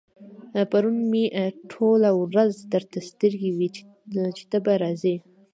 پرون مې ټوله ورځ درته سترګې وې چې ته به راځې.